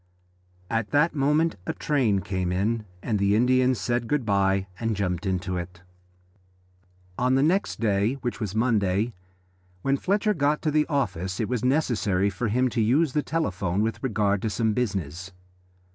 At that moment a train came in, and the Indian said good bye and jumped into it. On the next day, which was Monday, when Fletcher got to the office it was necessary for him to use the telephone with regard to some business.